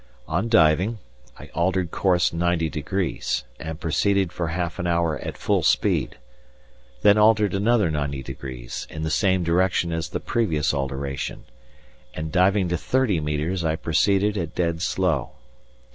On diving, I altered course ninety degrees, and proceeded for half an hour at full speed, then altered another ninety degrees, in the same direction as the previous alteration, and diving to thirty metres I proceeded at dead slow.